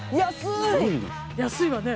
安いわね。